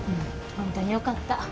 本当によかった。